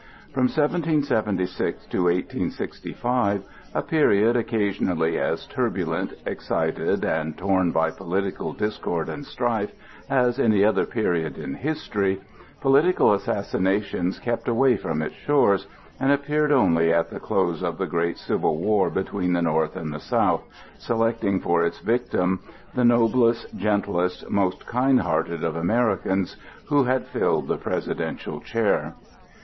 From 1776 to 1865, a period occasionally as turbulent, excited and torn by political discord and strife as any other period in history, political assassinations kept away from its shores, and appeared only at the close of the great Civil War between the North and the South, selecting for its victim the noblest, gentlest, most kind hearted of Americans who had filled the Presidential chair.